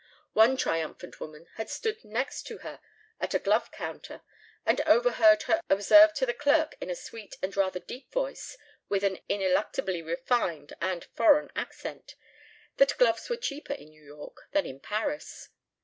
One triumphant woman had stood next to her at a glove counter and overheard her observe to the clerk in a sweet and rather deep voice with an ineluctably refined and foreign accent that gloves were cheaper in New York than in Paris.